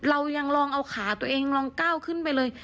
เรายังลองเอาขาตัวเองลองก้าวขึ้นไปเลย